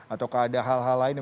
atau keadaan hal hal lainnya